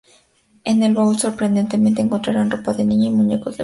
En el baúl sorprendentemente encontrarán ropa de niña y muñecos de peluche.